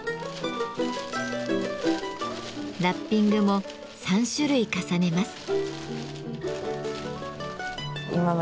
ラッピングも３種類重ねます。